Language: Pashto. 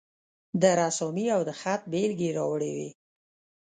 د رسامي او د خط بیلګې یې راوړې وې.